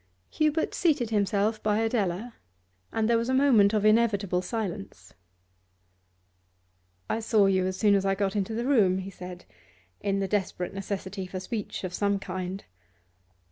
Hubert seated himself by Adela, and there was a moment of inevitable silence. 'I saw you as soon as I got into the room,' he said, in the desperate necessity for speech of some kind.